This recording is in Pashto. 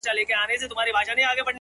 موږ څلور واړه د ژړا تر سـترگو بـد ايـسو؛